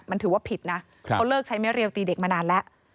มันถือว่าผิดนะเขาเลิกใช้ไม่เรียวตีเด็กมานานแล้ว